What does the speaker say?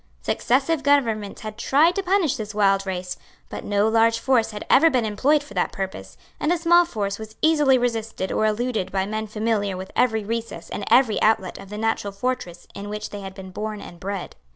Successive governments had tried to punish this wild race; but no large force had ever been employed for that purpose; and a small force was easily resisted or eluded by men familiar with every recess and every outlet of the natural fortress in which they had been born and bred.